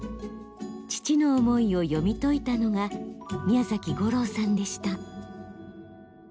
父の思いを読み解いたのが宮崎吾朗さんでした。